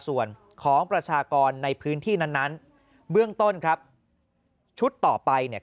ส่วนของประชากรในพื้นที่นั้นเบื้องต้นครับชุดต่อไปเนี่ย